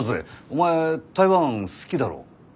お前台湾好きだろ？